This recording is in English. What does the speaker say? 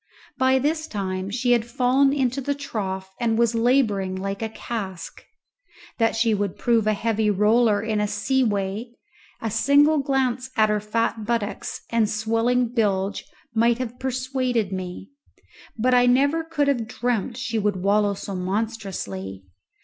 By this time she had fallen into the trough and was labouring like a cask; that she would prove a heavy roller in a sea way a single glance at her fat buttocks and swelling bilge might have persuaded me, but I never could have dreamt she would wallow so monstrously.